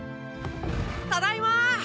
ただいま！